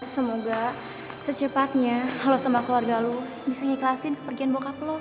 semoga secepatnya halo sama keluarga lo bisa mengikhlasin kepergian bokap lo